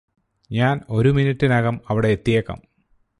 ഞാന് ഒരു മിനിട്ടിനകം അവിടെ എത്തിയേക്കാം